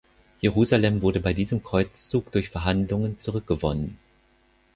Jerusalem wurde bei diesem Kreuzzug durch Verhandlungen zurückgewonnen.